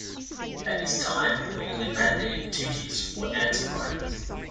At this time the only mandated duties were anti-riot.